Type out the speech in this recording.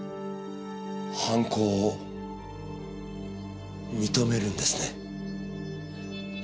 犯行を認めるんですね？